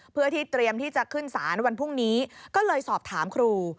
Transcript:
เพื่อที่เตรียมที่จะขึ้นศาลวันพรุ่งนี้ก็เลยสอบถามครู